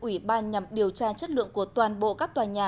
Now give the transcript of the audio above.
ủy ban nhằm điều tra chất lượng của toàn bộ các tòa nhà